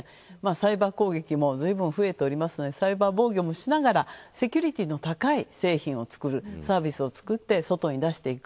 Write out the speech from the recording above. サイバー攻撃もずいぶん増えておりますのでサイバー防御もしながらセキュリティーの高い製品を作る、サービスを作って外に出していく。